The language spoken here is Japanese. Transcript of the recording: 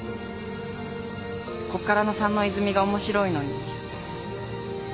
ここからの佐野泉が面白いのに。